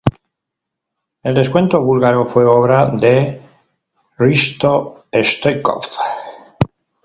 El descuento búlgaro fue obra de Hristo Stoichkov.